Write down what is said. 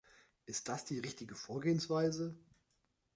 Ist das die richtige Vorgehensweise?